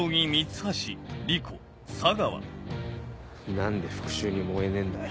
何で復讐に燃えねえんだよ。